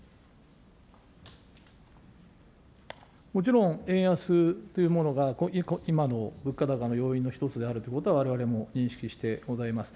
もちろん円安というものが今の物価高の要因の一つであるということは、われわれも認識してございます。